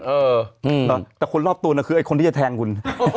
เออแต่คนรอบตัวน่ะคือไอ้คนที่จะแทงคุณ